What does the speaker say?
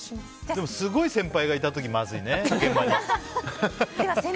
でも、すごい先輩がいた時まずいね、現場に。